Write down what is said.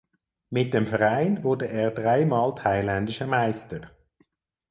Mit dem Verein wurde er dreimal thailändischer Meister.